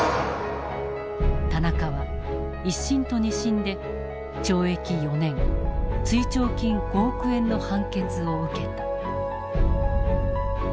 田中は１審と２審で懲役４年追徴金５億円の判決を受けた。